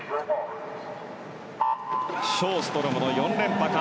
ショーストロムの４連覇か。